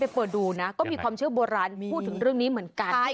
ไปเฝอดูนะก็ไม่มีความเชื่อโบราณพูดถึงนี้เหมือนกัน